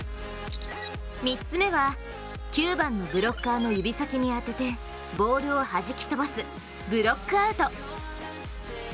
３つ目は、９番のブロッカーの指先に当ててボールをはじき飛ばすブロックアウト。